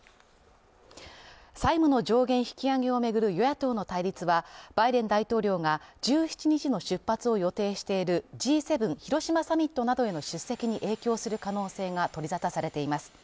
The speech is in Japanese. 債務の上限引き上げを巡る与野党の対立は、バイデン大統領が１７日の出発を予定しているＧ７広島サミットなどへの出席に影響する可能性が取り沙汰されています。